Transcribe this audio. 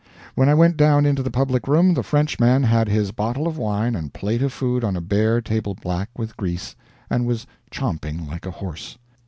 "When I went down into the public room, the Frenchman had his bottle of wine and plate of food on a bare table black with grease, and was 'chomping' like a horse.